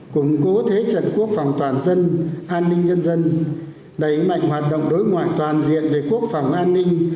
củng cố thế trận quốc phòng toàn dân an ninh nhân dân đẩy mạnh hoạt động đối ngoại toàn diện về quốc phòng an ninh